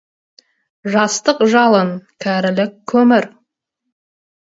Жастық — жалын, кәрілік — көмір.